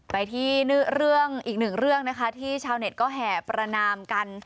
ไปที่เรื่องอีกหนึ่งเรื่องนะคะที่ชาวเน็ตก็แห่ประนามกัน